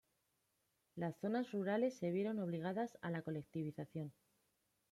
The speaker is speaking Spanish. Las zonas rurales se vieron obligadas a la colectivización.